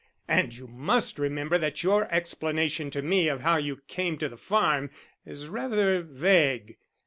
And you must remember that your explanation to me of how you came to the farm is rather vague.